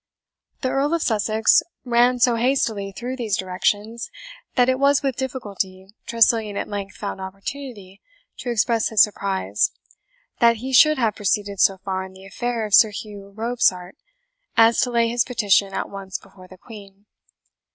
The Earl of Sussex ran so hastily through these directions, that it was with difficulty Tressilian at length found opportunity to express his surprise that he should have proceeded so far in the affair of Sir Hugh Robsart as to lay his petition at once before the Queen.